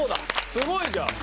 すごいじゃん。